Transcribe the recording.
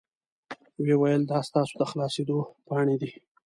وې ویل دا ستاسو د خلاصیدو پاڼې دي.